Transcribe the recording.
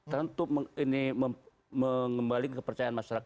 tentu ini mengembalikan kepercayaan masyarakat